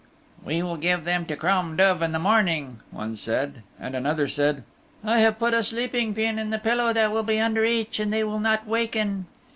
"We will give them to Crom Duv in the morning" one said. And another said, "I have put a sleeping pin in the pillow that will be under each, and they will not waken."